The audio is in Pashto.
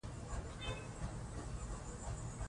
بزګران د ژوند لپاره مبارزه کوي.